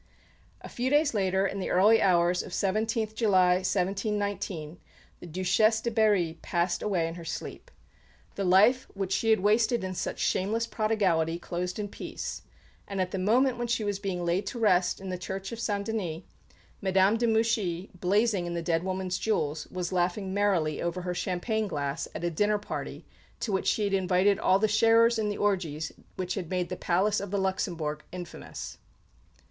A few days later, in the early hours of 17th July, 1719, the Duchesse de Berry passed away in her sleep. The life which she had wasted with such shameless prodigality closed in peace; and at the moment when she was being laid to rest in the Church of St Denis, Madame de Mouchy, blazing in the dead woman's jewels, was laughing merrily over her champagne glass at a dinner party to which she had invited all the sharers in the orgies which had made the Palace of the Luxembourg infamous!